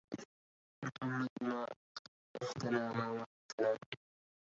محمد ما أخلفتنا ما وعدتنا